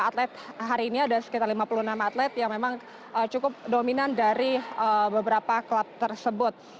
atlet hari ini ada sekitar lima puluh enam atlet yang memang cukup dominan dari beberapa klub tersebut